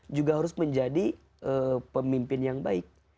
juga harus menjadi pemimpin yang baik